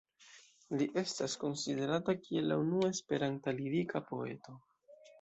Li estas konsiderata kiel la unua Esperanta lirika poeto.